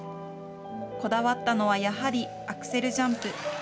こだわったのはやはりアクセルジャンプ。